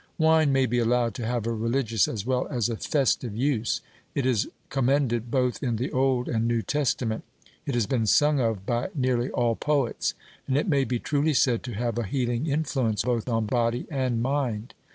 Wine may be allowed to have a religious as well as a festive use; it is commended both in the Old and New Testament; it has been sung of by nearly all poets; and it may be truly said to have a healing influence both on body and mind.